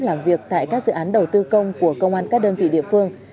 làm việc tại các dự án đầu tư công của công an các đơn vị địa phương